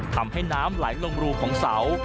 ทำให้น้ำไหลลงรูของเสา